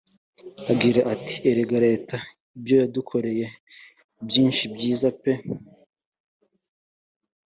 Agira ati “Erega Leta iba yadukoreye byinshi byiza pe